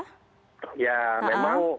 ya memang sebagian dari rekan rekan kita menetapkan